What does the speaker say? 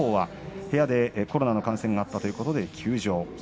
部屋でコロナの感染があったということで休場です。